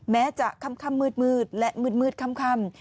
แม้จะค่ำมืดและมืดค่ำ